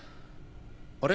あれ？